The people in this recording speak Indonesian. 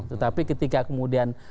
tetapi ketika kemudian